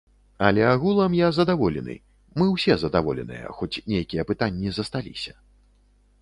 Але агулам я задаволены, мы ўсе задаволеныя, хоць нейкія пытанні засталіся.